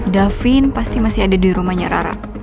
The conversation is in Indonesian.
davin pasti masih ada di rumahnya rara